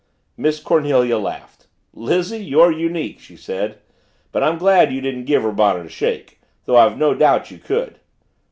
Miss Cornelia laughed. "Lizzie you're unique," she said. "But I'm glad you didn't give her bonnet a shake though I've no doubt you could."